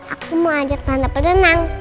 aku mau ajak tante berenang